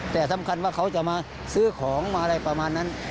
แต่สำคัญว่าเขาจะมาซื้อของมาอะไรประมาณนั้น